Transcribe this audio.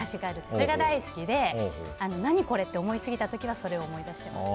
それが大好きで何これ？って思いすぎた時はそれを思い出してます。